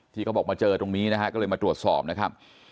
เขาบอกมาเจอตรงนี้นะฮะก็เลยมาตรวจสอบนะครับ